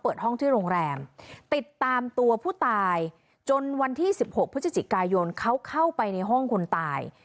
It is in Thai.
เปิดห้องที่โรงแรมติดตามตัวผู้ตายจนวันที่๑๖พฤศจิกายนเขาเข้าไปในห้องคนตาย